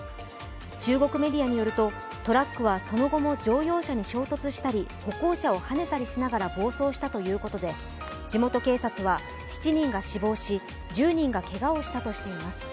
中国メディアによるとトラックはその後も乗用車に衝突したり歩行者をはねたりしながら暴走したということで地元警察は７人が死亡し１０人がけがをしたとしています。